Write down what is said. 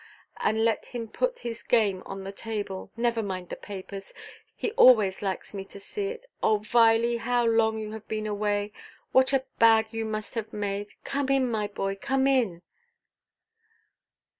And let him put his game on the table—never mind the papers—he always likes me to see it. Oh, Viley, how long you have been away! What a bag you must have made! Come in, my boy; come in."